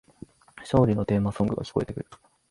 勝利のテーマソングが聞こえてくる